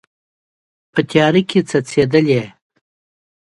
په تیاره کې څڅیدلې